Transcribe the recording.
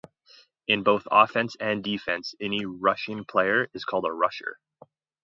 In both offense and defense, any rushing player is called a rusher.